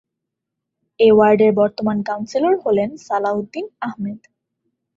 এ ওয়ার্ডের বর্তমান কাউন্সিলর হলেন সালাহউদ্দিন আহমেদ।